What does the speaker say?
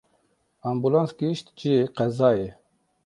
Ambûlans gihîşt cihê qezayê.